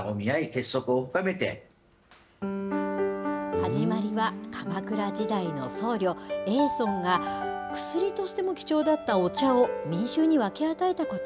はじまりは鎌倉時代の僧侶、叡尊が、薬としても貴重だったお茶を民衆に分け与えたこと。